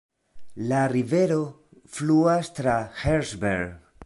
La rivero fluas tra Herzberg.